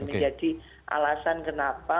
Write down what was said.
menjadi alasan kenapa